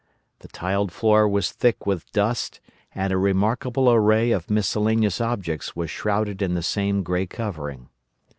The tiled floor was thick with dust, and a remarkable array of miscellaneous objects was shrouded in the same grey covering.